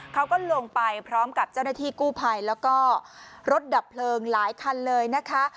เขาก็ลงไปพร้อมกับเจ้าหน้าที่กู้ภัยแล้วก็รถดับเพลิงหลายคันเลยนะคะ